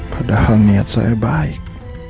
padahal niat saya baik